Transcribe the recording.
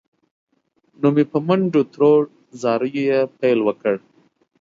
نو مې په منډو تروړ، زاریو یې پیل وکړ.